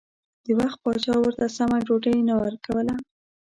د وخت پاچا ورته سمه ډوډۍ نه ورکوله.